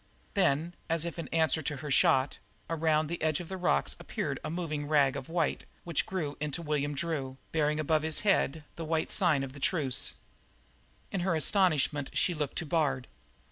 Then, as if in answer to her shot, around the edge of the rocks appeared a moving rag of white which grew into William Drew, bearing above his head the white sign of the truce. In her astonishment she looked to Bard.